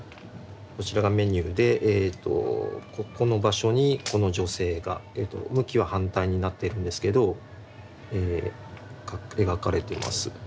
こちらがメニューでここの場所にこの女性が向きは反対になってるんですけど描かれてます。